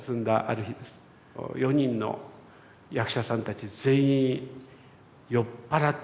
４人の役者さんたち全員酔っ払ってました。